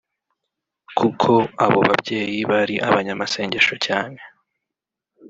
kuko abo babyeyi bari abanyamasengesho cyane